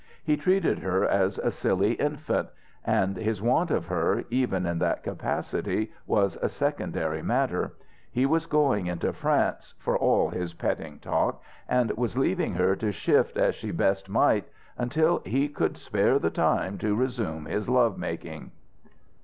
He treated her as a silly infant: and his want of her, even in that capacity, was a secondary matter: he was going into France, for all his petting talk, and was leaving her to shift as she best might, until he could spare the time to resume his love making....